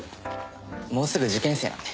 もうすぐ受験生なんで。